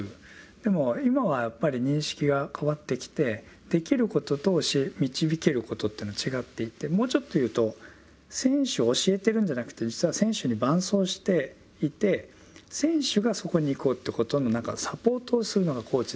でも今はやっぱり認識が変わってきてできることと教え導けることというのは違っていてもうちょっと言うと選手を教えてるんじゃなくて実は選手に伴走していて選手がそこに行こうってことの何かサポートをするのがコーチだっていう。